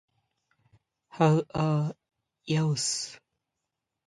How are youse?